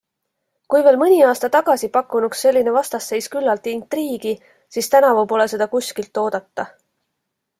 Kui veel mõni aasta tagasi pakkunuks selline vastasseis küllalt intriigi, siis tänavu pole seda kuskilt oodata.